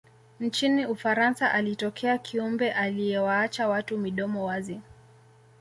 nchini ufaransa alitokea kiumbe aliyewaacha watu midomo wazi